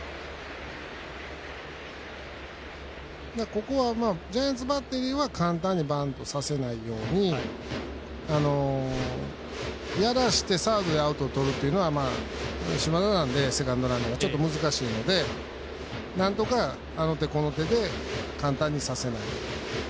ここはジャイアンツバッテリーは簡単にバントさせないようにやらせてサードでアウトをとるというのは島田なんで、セカンドランナー難しいのでなんとかあの手この手で簡単にさせない。